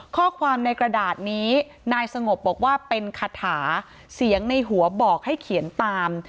ข้อความในกระดาษนี้นายสงบบอกว่าเป็นคาถาเสียงในหัวบอกให้เขียนตาม